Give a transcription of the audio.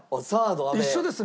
一緒ですね。